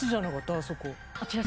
あそこ。